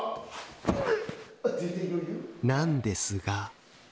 なんですが。